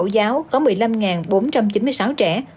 giáo có một mươi năm bốn trăm chín mươi sáu trẻ